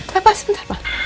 papa sebentar pa